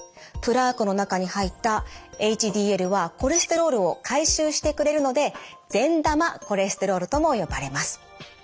プラークの中に入ったＨＤＬはコレステロールを回収してくれるので善玉コレステロールとも呼ばれます。